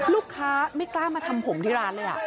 ลูกค้าไม่กล้ามาทำผมที่ร้านเลย